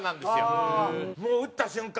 もう打った瞬間